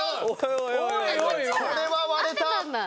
これは割れた！